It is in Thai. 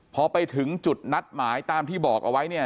พอไปถึงจุดนัดหมายตามที่บอกเอาไว้เนี่ย